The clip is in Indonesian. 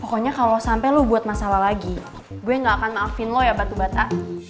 pokoknya kalau sampai lo buat masalah lagi gue gak akan maafin lo ya batu bata